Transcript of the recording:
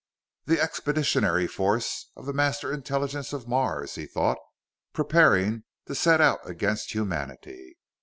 "The expeditionary force of the Master Intelligence of Mars," he thought, "preparing to set out against humanity!